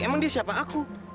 emang dia siapa aku